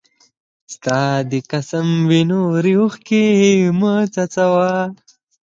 ستا! دي قسم وي نوري اوښکي مه څڅوه